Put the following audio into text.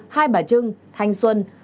hai bả trưng thanh xuân